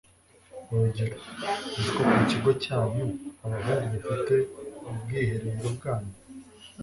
urugero. uzi ko ku kigo cyanyu abahungu mufite ubwiherero bwanyu